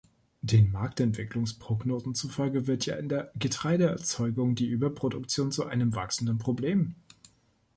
Den Marktentwicklungsprognosen zufolge wird ja in der Getreideerzeugung die Überproduktion zu einem wachsenden Problem.